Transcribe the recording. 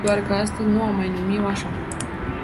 Doar că astăzi nu am mai numi-o așa.